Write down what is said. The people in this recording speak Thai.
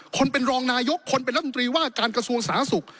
คนเป็นรองนายกคนเป็นรัฐมนตรีว่าการกระทรวงสาธารณสุข